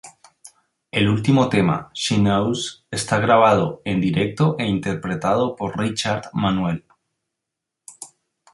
El último tema, "She Knows", está grabado en directo e interpretado por Richard Manuel.